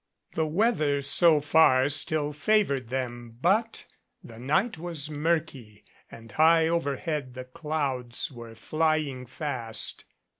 The weather so far still favored them, but the night was murky and high overhead the clouds were flying fast.